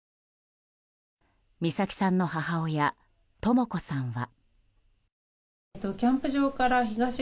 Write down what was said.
美咲さんの母親とも子さんは。